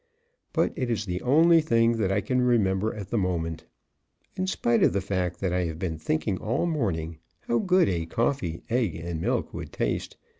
But it is the only thing that I can remember at the moment, in spite of the fact that I have been thinking all morning how good a coffee, egg and milk would taste.